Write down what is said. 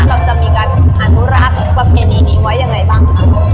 เราจะมีการอนุรักษ์ประเพณีนี้ไว้ยังไงบ้างคะ